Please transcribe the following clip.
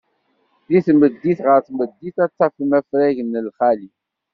Deg tmeddit ɣer tmeddit, ad tafem afrag d lxali.